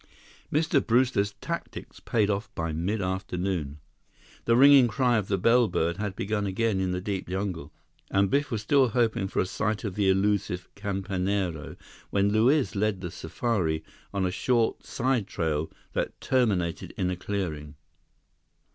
Mr. Brewster's tactics paid off by mid afternoon. The ringing cry of the bellbird had begun again in the deep jungle, and Biff was still hoping for a sight of the elusive campanero, when Luiz led the safari on a short side trail that terminated in a clearing.